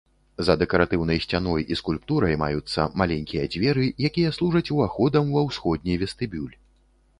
За дэкаратыўнай сцяной і скульптурай маюцца маленькія дзверы, якія служыць уваходам ва ўсходні вестыбюль.